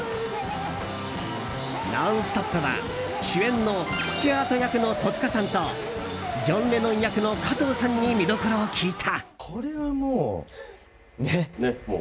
「ノンストップ！」は、主演のスチュアート役の戸塚さんとジョン・レノン役の加藤さんに見どころを聞いた。